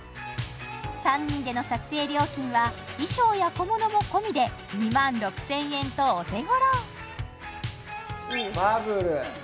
３人での撮影料金は衣装や小物も込みで２万６０００円とお手頃バブル